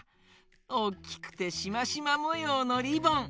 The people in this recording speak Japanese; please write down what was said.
おっきくてしましまもようのリボン！